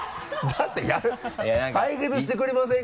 だって「対決してくれませんか？」